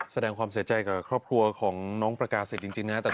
แสดงความเสียใจกับครอบครัวของน้องประกาศิษย์จริงนะครับ